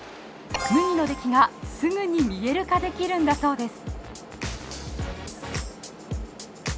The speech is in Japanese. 麦の出来がすぐに見える化できるんだそうです。